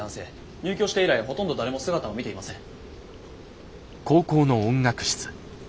入居して以来ほとんど誰も姿を見ていません。